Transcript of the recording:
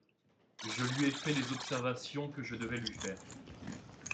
Je lui ai fait les observations que je devais lui faire…